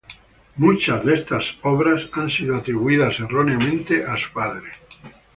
Muchas de estas obras han sido atribuidas erróneamente a su padre.